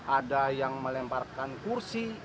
ada yang melemparkan kursi